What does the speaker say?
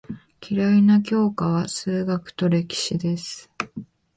嫌いな教科は数学と歴史です。